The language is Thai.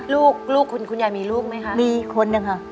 ลูกคุณคุณยายมีลูกมั้ยคะมี๑คนนึงค่ะ